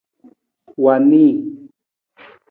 Wa nii.